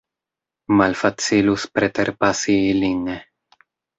Malfacilus preterpasi ilin.